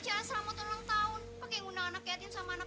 bikin acara selama dua puluh enam tahun pakai undang undang anak yatim sama anak